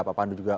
pak pandu juga